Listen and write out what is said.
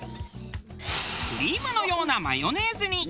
クリームのようなマヨネーズに。